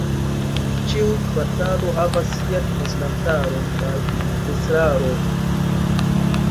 Ĉiu kvartalo havas sian konsilantaron kaj estraron.